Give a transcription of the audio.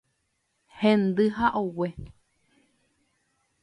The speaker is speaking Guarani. Hendy ha ogue